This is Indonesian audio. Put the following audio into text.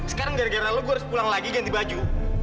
sekarang gara gara lo gue harus pulang lagi ganti baju